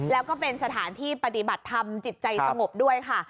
แล้วก็เป็นสถานที่ปฏิบัติธรรมจิตใจสงบด้วยค่ะ